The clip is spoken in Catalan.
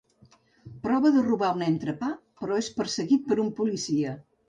Prova de robar un entrepà però és perseguit per un policia.